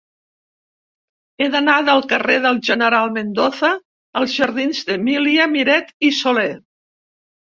He d'anar del carrer del General Mendoza als jardins d'Emília Miret i Soler.